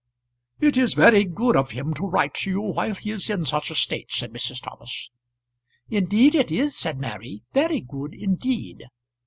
"It is very good of him to write to you while he is in such a state," said Mrs. Thomas. "Indeed it is," said Mary "very good indeed."